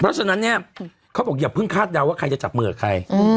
เพราะฉะนั้นเนี่ยเขาบอกอย่าเพิ่งคาดเดาว่าใครจะจับมือกับใคร